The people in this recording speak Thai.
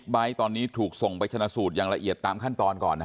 เรายืนยันว่าเราไม่ได้ทำร้ายเด็ก